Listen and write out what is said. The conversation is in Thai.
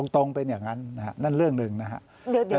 ตรงเป็นอย่างนั้นนะฮะนั่นเรื่องหนึ่งนะครับ